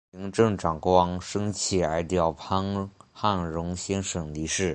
行政长官深切哀悼潘汉荣先生离世